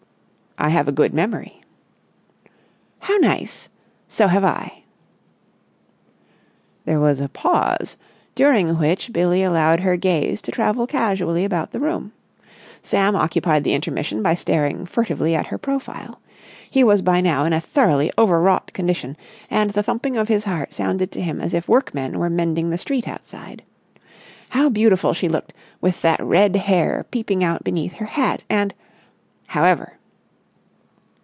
"I have a good memory." "How nice! So have I!" There was a pause, during which Billie allowed her gaze to travel casually about the room. Sam occupied the intermission by staring furtively at her profile. He was by now in a thoroughly overwrought condition, and the thumping of his heart sounded to him as if workmen were mending the street outside. How beautiful she looked, with that red hair peeping out beneath her hat and.... However!